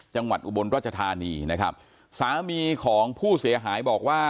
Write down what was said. อุบลรัชธานีนะครับสามีของผู้เสียหายบอกว่า